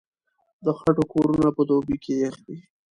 د خټو کورونه په دوبي کې يخ وي.